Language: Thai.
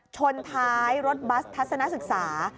ชนท้ายรถบัสทัศนศึกษา